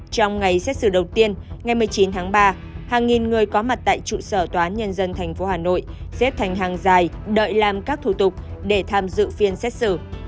trong ngày xét xử đầu tiên ngày một mươi chín tháng ba hàng nghìn người có mặt tại trụ sở tòa án nhân dân tp hà nội xếp thành hàng dài đợi làm các thủ tục để tham dự phiên xét xử